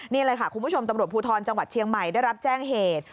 นี่เลยค่ะคุณผู้ชมตำรวจภูทรจังหวัดเชียงใหม่ได้รับแจ้งเหตุ